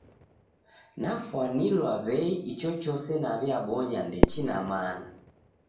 Nafwanilwa w'ei ichochose naw'iabonya ndechine mana.